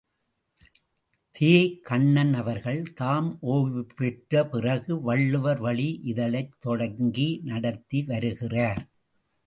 தே.கண்ணன் அவர்கள் தாம் ஒய்வு பெற்ற பிறகு வள்ளுவர் வழி இதழைத் தொடங்கி நடத்தி வருகிறார்.